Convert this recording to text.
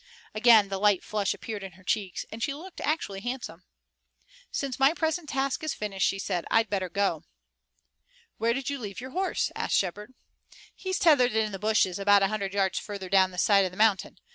Again the light flush appeared in her cheeks and she looked actually handsome. "Since my present task is finished," she said, "I'd better go." "Where did you leave your horse?" asked Shepard. "He's tethered in the bushes about a hundred yards farther down the side of the mountain.